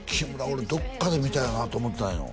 俺どっかで見たよなと思ったんよ